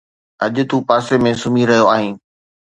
اڄ تون پاسي ۾ سمهي رهيو آهين